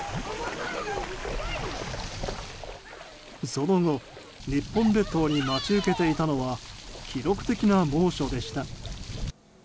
その後日本列島に待ち受けていたのは記録的な猛暑でした。